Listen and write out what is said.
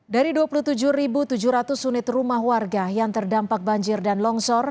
dari dua puluh tujuh tujuh ratus unit rumah warga yang terdampak banjir dan longsor